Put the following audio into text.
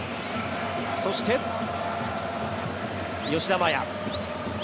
そして吉田麻也。